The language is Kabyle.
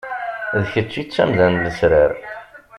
D kečč i d tamda n lesrar.